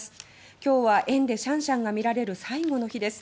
今日はシャンシャンが見られる最後の日です。